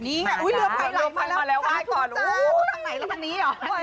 นี่อ้อเหรออันนี้